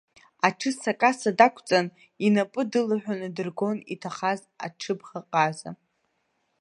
Аҽысакаса дақәҵан, иуапа дылаҳәаны дыргоит иҭахаз аҽыбӷаҟаза.